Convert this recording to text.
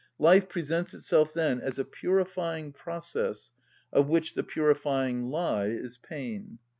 Life presents itself then as a purifying process, of which the purifying lye is pain.